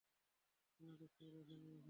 উনাকে কে দেখে নাই, এখানে?